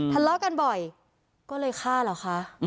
ทะเลาะกันบ่อยก็เลยฆ่าเหรอคะ